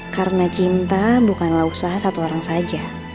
karena cinta bukanlah usaha satu orang saja